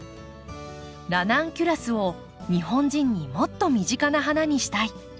「ラナンキュラスを日本人にもっと身近な花にしたい」。